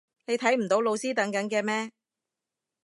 你睇唔到老師等緊嘅咩？